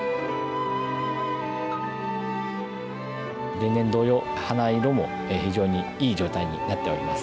例年同様色も非常にいい状態になっています。